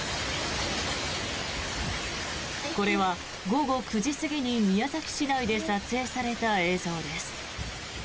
これは午後９時過ぎに宮崎市内で撮影された映像です。